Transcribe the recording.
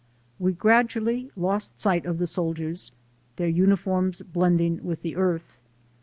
We gradually lost sight of the soldiers, their uniforms blending with the earth.